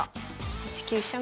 ８九飛車